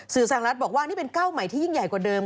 สหรัฐบอกว่านี่เป็นเก้าใหม่ที่ยิ่งใหญ่กว่าเดิม